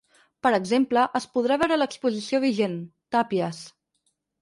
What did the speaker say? Per exemple, es podrà veure l’exposició vigent, Tàpies.